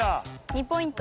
２ポイント。